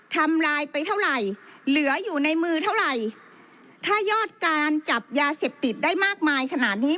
ทำลายไปเท่าไหร่เหลืออยู่ในมือเท่าไหร่ถ้ายอดการจับยาเสพติดได้มากมายขนาดนี้